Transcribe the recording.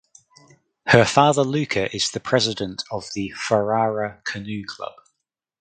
Her father Luca is the president of the Ferrara canoe club.